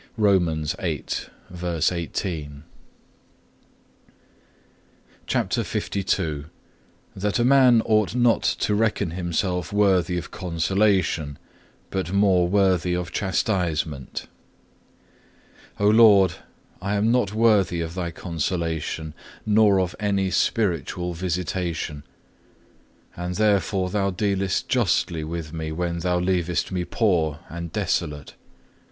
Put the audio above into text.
'"(1) (1) Romans viii. 18. CHAPTER LII That a man ought not to reckon himself worthy of consolation, but more worthy of chastisement O Lord, I am not worthy of Thy consolation, nor of any spiritual visitation; and therefore Thou dealest justly with me, when Thou leavest me poor and desolate.